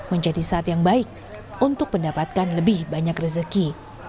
menjadi saat yang baik untuk mendapatkan lebih banyak rezeki